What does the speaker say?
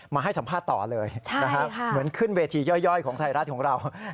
ให้สัมภาษณ์ต่อเลยเหมือนขึ้นเวทีย่อยของไทยรัฐของเรา